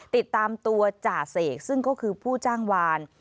ติดตามตัวจ่าเสกซึ่งก็คือผู้จ้างวาน